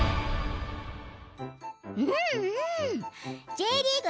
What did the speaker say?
Ｊリーグ